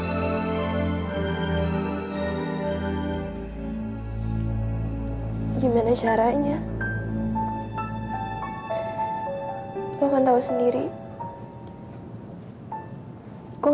saya masih masih